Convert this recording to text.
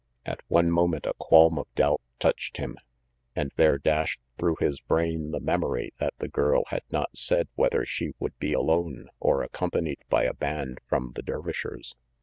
At one moment a qualm of doubt touched him, and there dashed through his brain the memory that the girl had not said whether she would be alone or accompanied by a band from the Dervish ers.